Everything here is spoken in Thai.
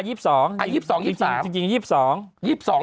อ่ะ๒๒๒๓จริง๒๒